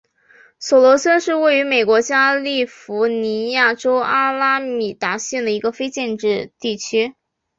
索伦森是位于美国加利福尼亚州阿拉米达县的一个非建制地区。